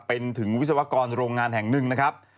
เป็นถึงวิศวกรโรงงานแห่งหนึ่งนะครับ